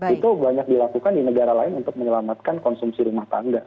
itu banyak dilakukan di negara lain untuk menyelamatkan konsumsi rumah tangga